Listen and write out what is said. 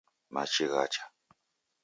Machi ghacha.